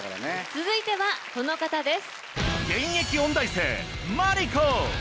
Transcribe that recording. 続いてはこの方です。